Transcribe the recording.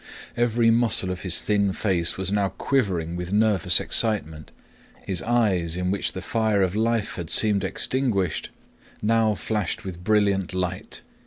Every muscle of his thin face was now quivering with nervous excitement; his eyes, in which the fire of life had seemed extinguished, now flashed with brilliant light.